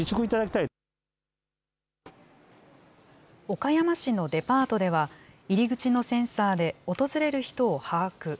岡山市のデパートでは、入り口のセンサーで訪れる人を把握。